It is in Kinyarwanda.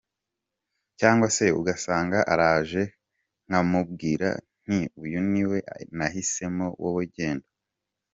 Cyangwa se ugasanga araje nkamubwira nti uyu niwe nahisemo wowe genda.